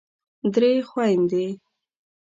درې خوندې